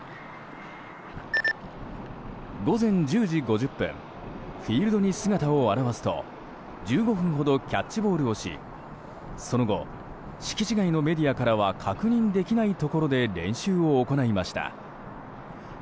午前１０時５０分フィールドに姿を現すと１５分ほどキャッチボールをしその後、敷地外のメディアからは確認できないところで練習を行いました。